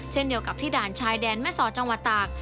เช่นเดียวกับที่ด่านชายแดนแม่สอดจังหวัดตาก